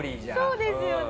そうですよね。